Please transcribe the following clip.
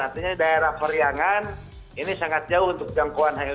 artinya daerah periangan ini sangat jauh untuk jangkauan